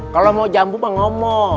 kalau mau jambu mah ngomong